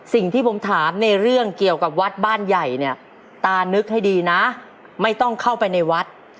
สิ่งที่ผมถามในเรื่องเกี่ยวกับวัดบ้านใหญ่เนี่ยตานึกให้ดีนะไม่ต้องเข้าไปในวัด